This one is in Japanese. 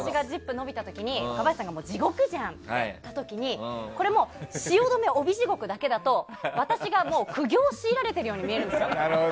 延びた時に若林さんが地獄じゃんって言った時にこれも汐留帯地獄だけだと私がもう苦行を強いられているように見えるんですよ。